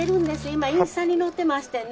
今インスタに載ってましてね。